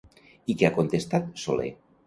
I què ha contestat Soler?